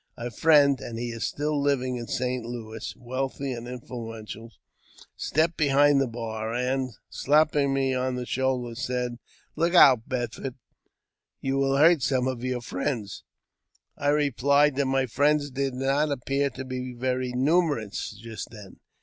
A friend (and he is still living in St. Louis, wealthy and influential) stepped behind the bar, and, slapping me on the shoulder, said, " Look out, Beckwourth, you will hurt some of your friends." I replied that my friends did not appear to be very numerous just then.